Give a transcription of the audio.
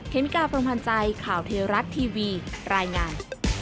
เมกาพรมพันธ์ใจข่าวเทวรัฐทีวีรายงาน